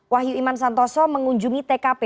wahyu iman santoso mengunjungi tkp